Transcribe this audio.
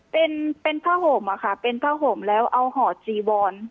เป็นเป็นผ้าห่มอะค่ะเป็นผ้าห่มแล้วเอาห่อจีวอน